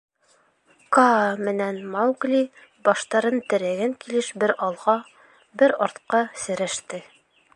Каа менән Маугли баштарын терәгән килеш бер алға, бер артҡа серәште.